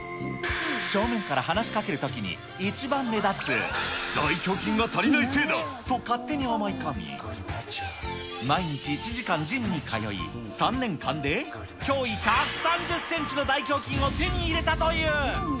正面から話しかけるときに、一番目立つ大胸筋が足りないせいだ！と勝手に思い込み、毎日１時間ジムに通い、３年間で、胸囲１３０センチの大胸筋を手に入れたという。